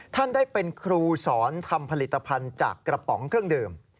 ท่านได้เป็นครูสอนทำผลิตภัณฑ์จากกระป๋องเครื่องดื่ม